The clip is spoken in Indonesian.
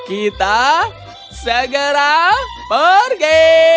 kita segera pergi